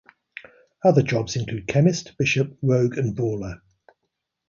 Other jobs include Chemist, Bishop, Rogue, and Brawler.